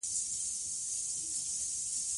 افغانستان د چار مغز په اړه مشهور تاریخي روایتونه لري.